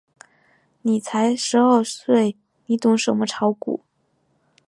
你才十二岁，你懂什么炒股？